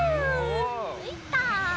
ついた！